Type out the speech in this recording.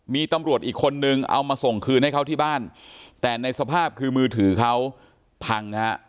มีตำรวจอีกคนนึงเอามาส่งคืนให้เขาที่บ้านแต่ในสภาพคือมือถือเขาพังฮะ